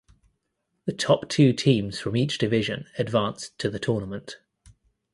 The top two teams from each division advanced to the tournament.